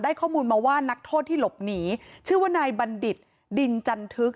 ข้อมูลมาว่านักโทษที่หลบหนีชื่อว่านายบัณฑิตดินจันทึก